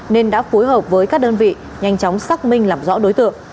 nên đã phối hợp với các đơn vị nhanh chóng xác minh làm rõ đối tượng